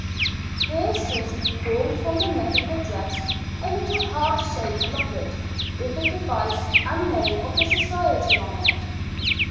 Here Susy pulled from the neck of her dress a little heart shaped locket with the device and name of the society on it.